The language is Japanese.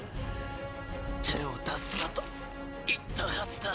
手を出すなと言ったはずだ。